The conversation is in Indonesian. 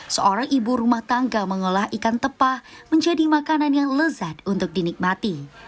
seorang ibu rumah tangga mengolah ikan tepah menjadi makanan yang lezat untuk dinikmati